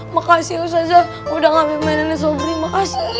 makasih ustadz zah udah ngambil mainannya sobri makasih